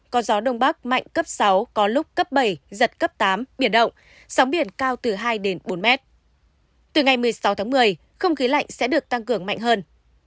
từ ngày một mươi sáu tháng một mươi không khí lạnh sẽ được tăng cường mạnh hơn